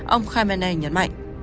ông khamenei nhấn mạnh